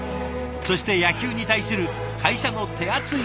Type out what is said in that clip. そして野球に対する会社の手厚いサポート。